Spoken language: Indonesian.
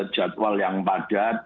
jadwal yang padat